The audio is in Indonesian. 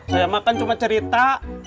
saya makan cuma cerita